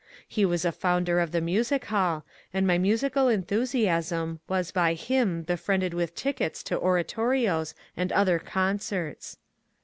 He was a founder of the Music Hall, and my musical enthusiasm was by him befriended with tickets to oratorios and other concerts.